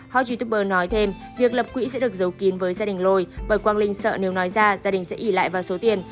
houber nói thêm việc lập quỹ sẽ được giấu kín với gia đình lôi bởi quang linh sợ nếu nói ra gia đình sẽ ỉ lại vào số tiền